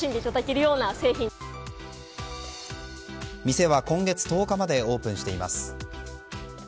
店は今月１０日までオープンしています。